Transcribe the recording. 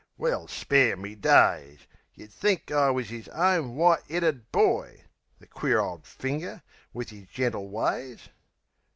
Well, spare me days! Yeh'd think I wus 'is own white 'eaded boy The queer ole finger, wiv 'is gentle ways.